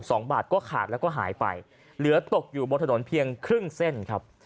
สองบาทก็ขาดแล้วก็หายไปเหลือตกอยู่บนถนนเพียงครึ่งเส้นครับ